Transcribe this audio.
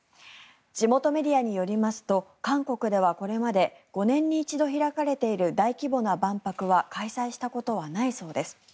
地元メディアによりますと韓国ではこれまで５年に一度開かれている大規模な万博は開催したことはないそうです。